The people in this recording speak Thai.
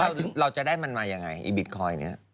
แล้วเราจะได้มันมายังไงอีบิตคอยน์เนี่ย